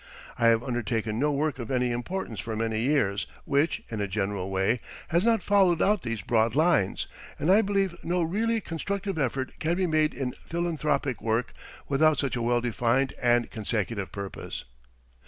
I have undertaken no work of any importance for many years which, in a general way, has not followed out these broad lines, and I believe no really constructive effort can be made in philanthropic work without such a well defined and consecutive purpose.